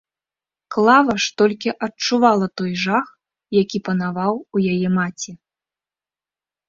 Клава ж толькі адчувала той жах, які панаваў у яе маці.